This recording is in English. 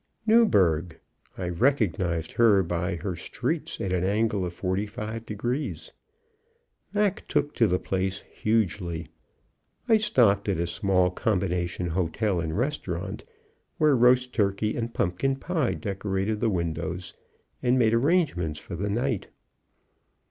Newburgh! I recognized her by her streets at an angle of 45 degrees. Mac took to the place hugely. I stopped at a small combination hotel and restaurant, where roast turkey and pumpkin pie decorated the windows, and made arrangements for the night.